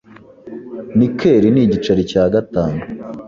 Nikel ni igiceri cya gatanu.